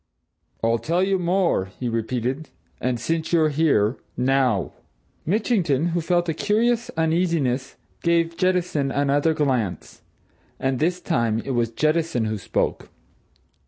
"I'll tell you more!" he repeated. "And, since you're here now!" Mitchington, who felt a curious uneasiness, gave Jettison another glance. And this time it was Jettison who spoke.